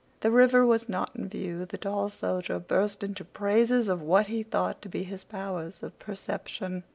The river was not in view. The tall soldier burst into praises of what he thought to be his powers of perception.